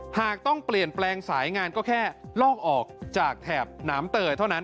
หากต้องเปลี่ยนแปลงสายงานก็แค่ลอกออกจากแถบหนามเตยเท่านั้น